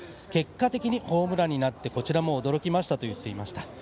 結果的にホームランになってこちらも驚きましたと言っていました。